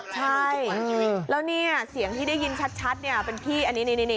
ใช่แล้วเนี่ยเสียงที่ได้ยินชัดเนี่ยเป็นพี่อันนี้